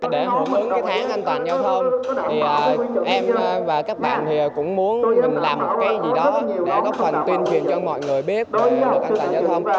để hưởng ứng cái tháng an toàn giao thông thì em và các bạn thì cũng muốn mình làm một cái gì đó để góp phần tuyên truyền cho mọi người biết về luật an toàn giao thông